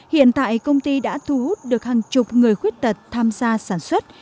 hiện tại công ty đã thu hút được hàng chục người khuyết tật tham gia sản xuất